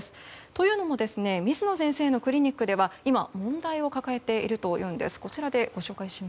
というのも水野先生のクリニックでは今、問題を抱えているというんです。